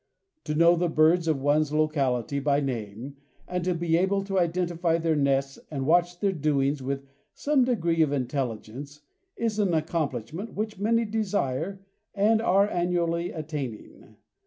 To know the birds of one's locality by name and to be able to identify their nests and watch their doings with some degree of intelligence is an accomplishment which many desire and are annually attaining.